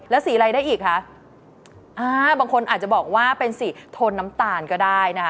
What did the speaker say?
แล้วสีอะไรได้อีกคะอ่าบางคนอาจจะบอกว่าเป็นสีโทนน้ำตาลก็ได้นะคะ